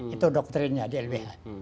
itu doktrinya di lbh